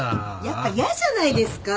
やっぱ嫌じゃないですか。